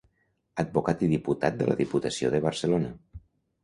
Advocat i diputat de la diputació de Barcelona.